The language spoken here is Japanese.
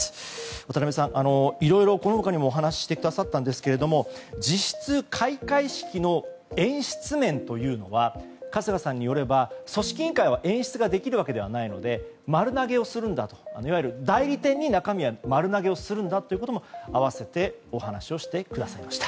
渡辺さん、この他にもお話してくださったんですが実質開会式の演出面というのは春日さんによれば組織委員会は演出ができるわけではないので代理店に中身は丸投げをするんだということも併せてお話をしてくださいました。